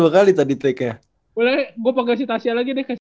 boleh gue pake citasya lagi deh